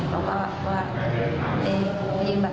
เราก็เอ๊ะยื่นบัตร๓๐บาท